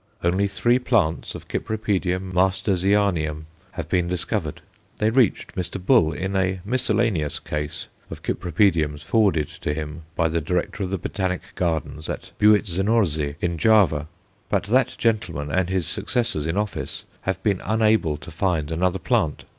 Only three plants of Cyp. Marstersianium have been discovered. They reached Mr. Bull in a miscellaneous case of Cypripediums forwarded to him by the Director of the Botanic Gardens at Buitzenzorze, in Java; but that gentleman and his successors in office have been unable to find another plant.